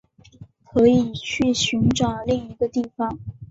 可以去寻找另一个地方